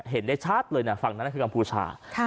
เห็นได้ชัดเลยนะฝั่งนั้นคือกัมพูชา